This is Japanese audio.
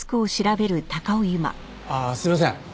ああすいません。